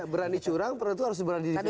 berani curang perlu berani di fisikasi